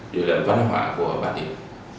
đối với văn hóa của bà tiểu